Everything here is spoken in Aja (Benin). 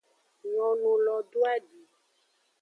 Nyongulo doadi.